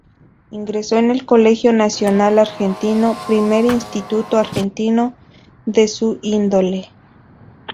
Ingresó en el Colegio Nacional Argentino, primer instituto argentino de su índole.